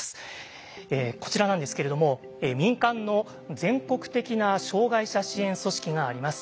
こちらなんですけれども民間の全国的な障害者支援組織があります。